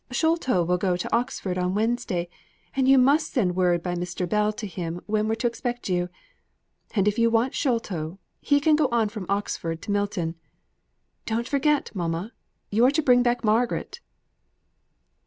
Sholto will go to Oxford on Wednesday, and you must send word by Mr. Bell to him when we're to expect you. And if you want Sholto, he can go on from Oxford to Milton. Don't forget, mamma; you are to bring back Margaret."